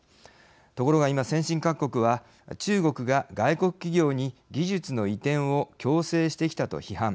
ところが今、先進各国は中国が外国企業に技術の移転を強制してきたと批判。